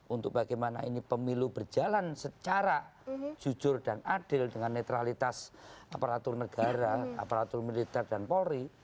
untuk bagaimana ini pemilu berjalan secara jujur dan adil dengan netralitas aparatur negara aparatur militer dan polri